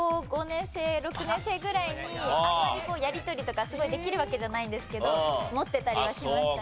あんまりやり取りとかすごいできるわけじゃないんですけど持ってたりはしましたね。